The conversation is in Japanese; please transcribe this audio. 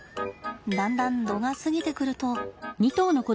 だんだん度が過ぎてくると。